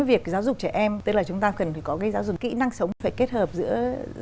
việc giáo dục trẻ em tức là chúng ta cần phải có cái giáo dục kỹ năng sống phải kết hợp giữa